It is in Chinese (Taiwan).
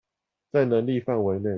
在能力範圍內